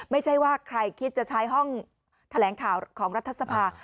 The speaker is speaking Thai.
ไม่ใช่ว่าใครคิดจะใช้ห้องแถลงข่าวของรัฐสภา